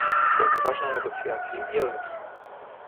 Są to ważne negocjacje i dialogi